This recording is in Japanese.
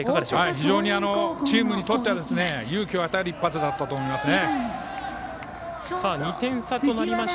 非常にチームにとっては勇気を与える一発だったと思います。